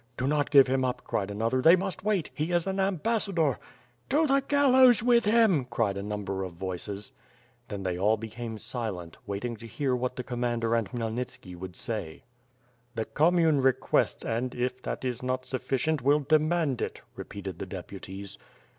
"Do not give him up,'* cried another. "They must wait! He is an ambassador." "To the gallows with him!" cried a number of voices. WifU FIRE ASD SWOkD, j^j Then they all became silent, waiting to hear what the commander and Khmyelnitski would say. "The commune requests and, if that is not sufficient, will demand it, ' repeated the deputies.